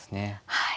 はい。